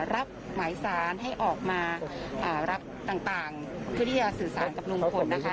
รับหมายสารให้ออกมารับต่างเพื่อที่จะสื่อสารกับลุงพลนะคะ